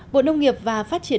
bộ nông nghiệp và phát triển